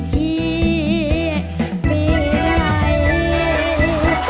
ให้พี่บอกไหม